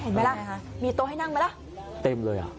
เห็นมั้ยล่ะอะไรไหมฮะมีโต๊ะให้นั่งไปล่ะเต็มเลยอ่ะ